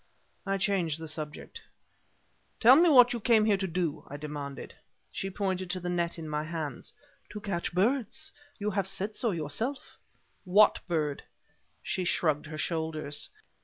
I changed the subject. "Tell me what you came here to do," I demanded. She pointed to the net in my hands. "To catch birds; you have said so yourself." "What bird?" She shrugged her shoulders.